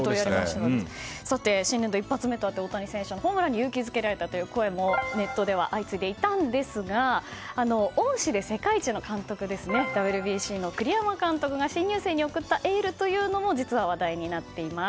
新年度１発目の大谷選手のホームランに勇気づけられたという声がネットでは相次いでいたんですが恩師で世界一の監督になったＷＢＣの栗山監督が新入生に送ったエールも実は話題になっています。